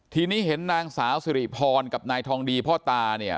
ทีนี้เห็นนางสาวสิริพรกับนายทองดีพ่อตาเนี่ย